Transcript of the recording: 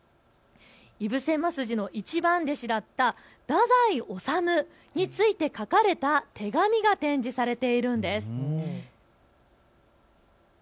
井伏鱒二の一番弟子だった太宰治について書かれた手紙が展示されているんです。